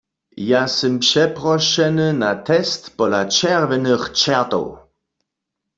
Ja sym přeprošeny na test pola Čerwjenych čertow.